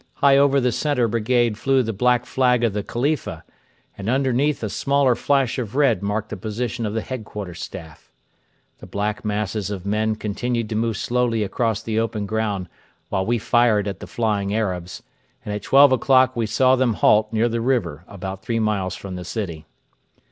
High over the centre brigade flew the Black Flag of the Khalifa, and underneath a smaller flash of red marked the position of the Headquarters Staff. The black masses of men continued to move slowly across the open ground while we fired at the flying Arabs, and at twelve o'clock we saw them halt near the river about three miles from the city.